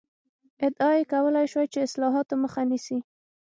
ادعا یې کولای شوای چې اصلاحاتو مخه نیسي.